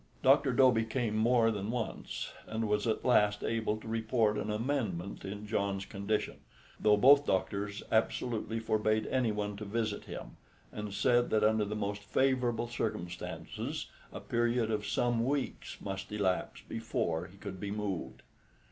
Dr. Dobie came more than once, and was at last able to report an amendment in John's condition, though both the doctors absolutely forbade anyone to visit him, and said that under the most favourable circumstances a period of some weeks must elapse before he could be moved.